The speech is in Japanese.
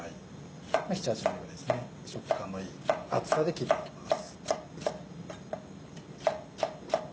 ７８ｍｍぐらいですね食感のいい厚さで切っていきます。